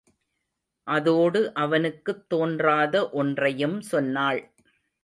அதோடு அவனுக்குத் தோன்றாத ஒன்றையும் சொன்னாள்.